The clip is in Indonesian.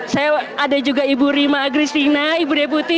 saya ada juga ibu rima agri sina ibu debuti